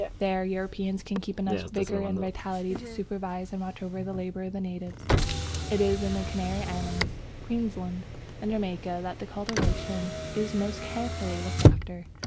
There Europeans can keep enough vigour and vitality to supervise and watch over the labour of natives. It is in the Canary Islands, Queensland, and Jamaica that the cultivation is most carefully looked after.